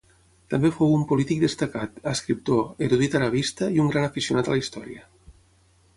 També fou un polític destacat, escriptor, erudit arabista i un gran aficionat a la història.